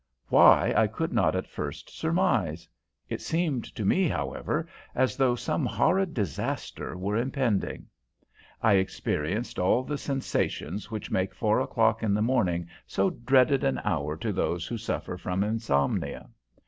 Why, I could not at first surmise. It seemed to me, however, as though some horrid disaster were impending. I experienced all the sensations which make four o'clock in the morning so dreaded an hour to those who suffer from insomnia.